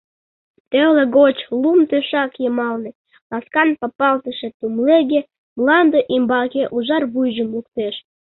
Теле гоч лум тӧшак йымалне ласкан папалтыше тумлеге мланде ӱмбаке ужар вуйжым луктеш.